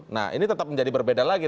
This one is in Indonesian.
nah ini tetap menjadi berbeda lagi